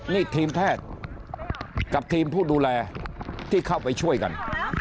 นี่ทีมแพทย์กับทีมผู้ดูแลที่เข้าไปช่วยกัน